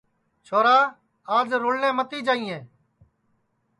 چھورا آج رُڑٹؔے متی جائیئے